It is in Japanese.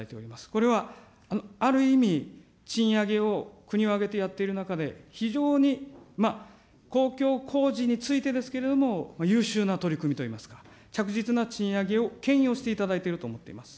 これはある意味、賃上げを国を挙げてやっている中で、非常に公共工事についてですけれども、優秀な取り組みといいますか、着実な賃上げをけん引をしていただいていると思っております。